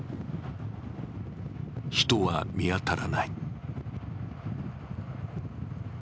人は見当たらない。